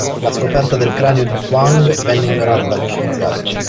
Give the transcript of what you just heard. La scoperta del cranio di Tuang, venne ignorata dagli scienziati